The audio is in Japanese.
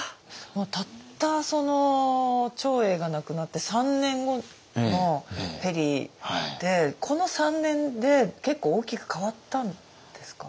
たったその長英が亡くなって３年後のペリーでこの３年で結構大きく変わったんですか？